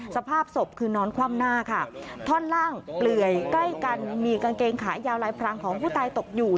สภาพศพคือนอนคว่ำหน้าค่ะท่อนล่างเปลื่อยใกล้กันมีกางเกงขายาวลายพรางของผู้ตายตกอยู่